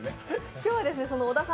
今日は小田さん